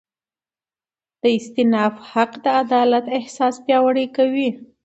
د استیناف حق د عدالت احساس پیاوړی کوي.